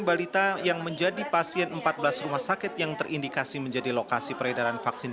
balita yang menjadi pasien empat belas rumah sakit yang terindikasi menjadi lokasi peredaran vaksin